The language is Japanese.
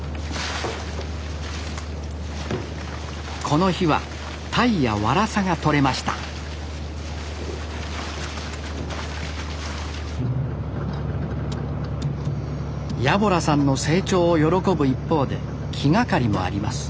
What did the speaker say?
この日はタイやワラサが取れました家洞さんの成長を喜ぶ一方で気がかりもあります